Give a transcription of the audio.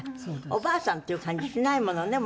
おばあさんっていう感じしないものね森先生ね。